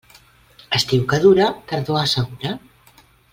Estiu que dura, tardor assegura.